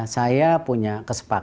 saya punya kesepakatan